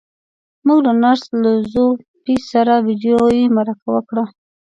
موږ له نرس لو ځو پي سره ويډيويي مرکه وکړه.